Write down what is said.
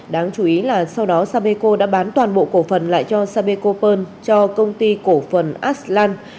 đáng chú ý là sau đó sapeco đã bán toàn bộ cổ phần lại cho sapecopern cho công ty cổ phần aslan